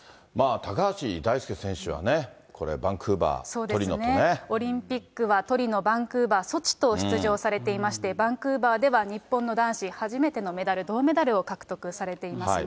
高橋大輔選手はね、これ、バンクーバー、オリンピックは、トリノ、バンクーバー、ソチと出場されていまして、バンクーバーでは、日本の男子初めてのメダル、銅メダルを獲得されていますね。